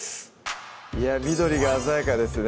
緑が鮮やかですね